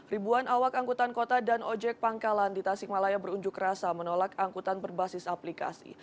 ribuan awak angkutan kota dan ojek pangkalan di tasikmalaya berunjuk rasa menolak angkutan berbasis aplikasi